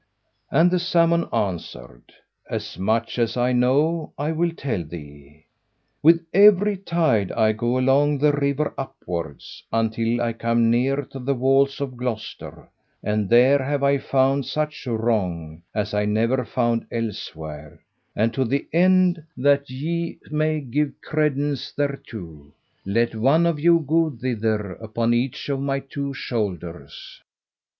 And the salmon answered, "As much as I know I will tell thee. With every tide I go along the river upwards, until I come near to the walls of Gloucester, and there have I found such wrong as I never found elsewhere; and to the end that ye may give credence thereto, let one of you go thither upon each of my two shoulders."